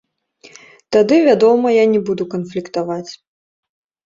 Тады, вядома, я не буду канфліктаваць.